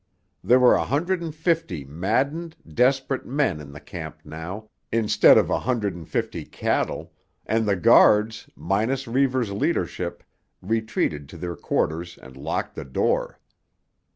There were a hundred and fifty maddened, desperate men in the camp now, instead of a hundred and fifty cattle; and the guards, minus Reivers' leadership, retreated to their quarters and locked the door.